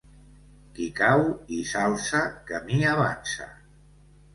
Qui cau i s'alça, camí avança.